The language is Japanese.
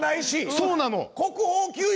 そうなの！